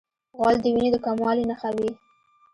غول د وینې د کموالي نښه وي.